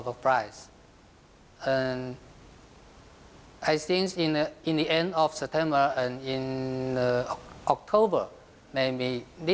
ก็คิดว่าจากสุดท้ายและปีออกเที่ยว